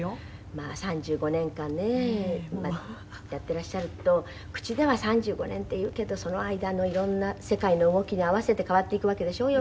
まあ３５年間ねやっていらっしゃると口では３５年って言うけどその間の色んな世界の動きに合わせて変わっていくわけでしょう？